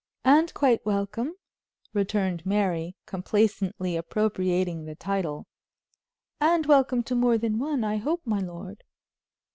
"And quite welcome," returned Mary, complacently appropriating the title, "and welcome to more than one, I hope, my lord."